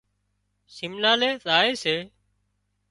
سمنالي زائي سي